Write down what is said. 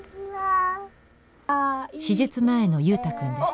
手術前の祐太君です。